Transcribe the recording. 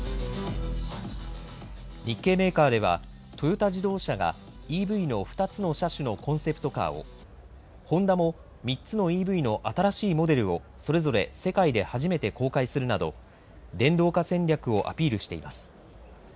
日系メーカーではトヨタ自動車がＥＶの２つの車種のコンセプトカーをホンダも３つのＥＶの新しいモデルをそれぞれ世界で初めて公開するなど電動化戦略をアピールしています。